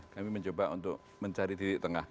kami mencoba untuk mencari titik tengah